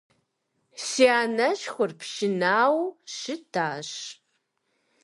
Си анэшхуэр пшынауэу щытащ.